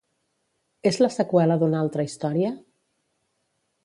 És la seqüela d'una altra història?